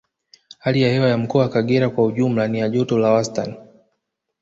Hali ya hewa ya Mkoa wa Kagera kwa ujumla ni ya joto la wastani